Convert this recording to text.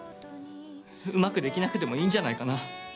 うまくできなくてもいいんじゃないかな。